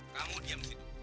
kamu diam di situ